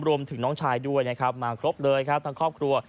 รวมถึงน้องชายด้วยนะครับมาครบเลยครับทั้งครอบครัว